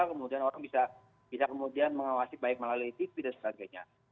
kemudian orang bisa kemudian mengawasi baik melalui tv dan sebagainya